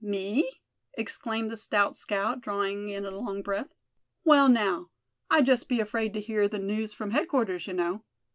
"Me?" exclaimed the stout scout, drawing in a long breath. "Well, now, I'd just be afraid to hear the news from headquarters, you know.